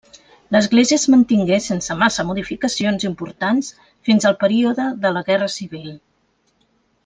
L'església es mantingué sense massa modificacions importants fins al període de la Guerra Civil.